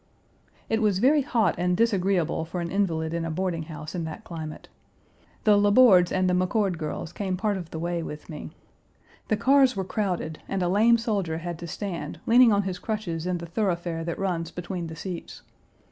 1 It was very hot and disagreeable for an invalid in a boarding house in that climate. The La Bordes and the McCord girls came part of the way with me. The cars were crowded and a lame soldier had to stand, leaning on his crutches in the thoroughfare that runs between the seats.